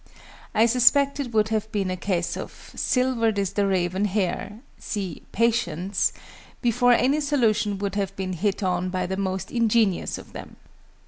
I suspect it would have been a case of "silvered is the raven hair" (see "Patience") before any solution would have been hit on by the most ingenious of them.